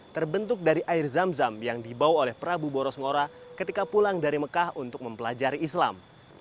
terbentuk dari air zam zam yang dibawa oleh prabu boros ngora ketika pulang dari mekah untuk mempelajari islam